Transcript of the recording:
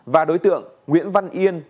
và đối tượng nguyễn văn yên